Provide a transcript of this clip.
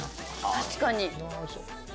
確かに。